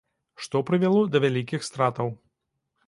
Што прывяло да вялікіх стратаў.